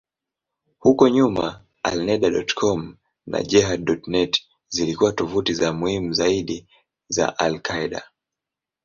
Huko nyuma, Alneda.com na Jehad.net zilikuwa tovuti muhimu zaidi za al-Qaeda.